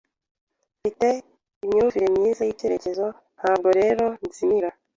Mfite imyumvire myiza yicyerekezo, ntabwo rero nzimira.